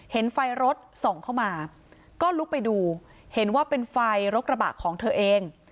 เห็นไฟรถส่องเข้ามาก็ลุกไปดูเห็นว่าเป็นไฟรถกระบะของเธอเอง